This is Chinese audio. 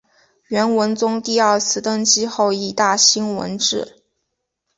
元文宗第二次登基后亦大兴文治。